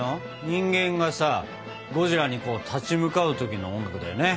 人間がさゴジラに立ち向かう時の音楽だよね。